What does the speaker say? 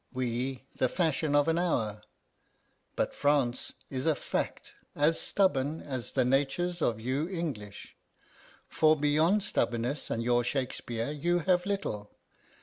We the fashion of an hour, but France is a fact as stubborn as the natures of you English; for beyond stubbornness and your Shakespeare you have little.